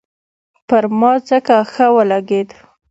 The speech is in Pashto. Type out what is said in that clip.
پر ما ځکه ښه ولګېد.